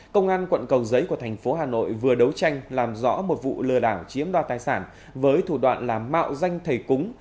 công an quận cầu giấy của thành phố hà nội vừa đấu tranh làm rõ một vụ lừa đảo chiếm đoạt tài sản với thủ đoạn là mạo danh thầy cúng